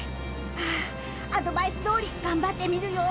アドバイスどおり頑張ってみるよ。